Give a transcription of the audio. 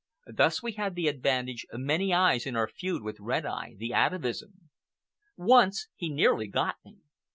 Thus we had the advantage of many eyes in our feud with Red Eye, the atavism. Once he nearly got me.